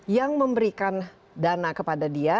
yang memberikan dana kepada dia